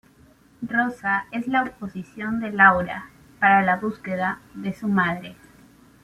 Rosa es la oposición de Laura para la búsqueda de su madre.